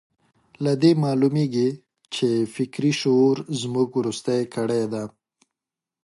له دې معلومېږي چې فکري شعور زموږ وروستۍ کړۍ ده.